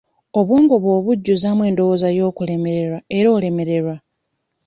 Obwongo bw'obujjuzaamu endowooza y'okulemererwa era olemererwa.